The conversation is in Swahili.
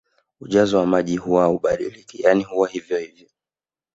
Ujazo wa maji huwa haubadiliki yani huwa hivyo hivyo